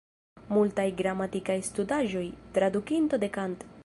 Multaj gramatikaj studaĵoj, tradukinto de Kant.